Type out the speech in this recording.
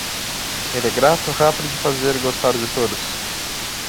Ele é grato, rápido de fazer e gostar de todos.